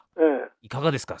いかがですか？